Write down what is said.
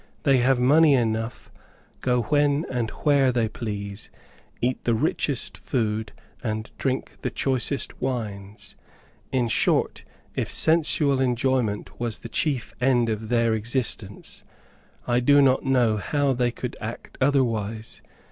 They have money enough, go when, and where they please, eat the richest food and drink the choicest wines. In short, if sensual enjoyment was the chief end of their existence, I do not know how they could act otherwise.